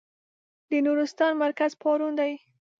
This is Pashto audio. د نورستان مرکز پارون دی.